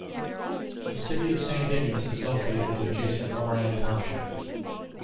The city of Saint Ignace is located in adjacent Moran Township.